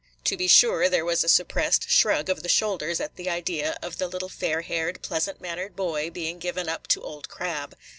To be sure, there was a suppressed shrug of the shoulders at the idea of the little fair haired, pleasant mannered boy being given up to Old Crab.